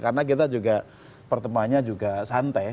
karena kita juga pertemanya juga santai